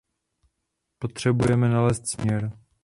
Potřebujeme nalézt směr.